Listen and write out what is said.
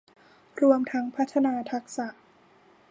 รวมทั้งพัฒนาทักษะ